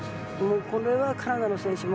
これは、カナダの選手も。